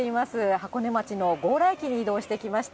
箱根町の強羅駅に移動してきました。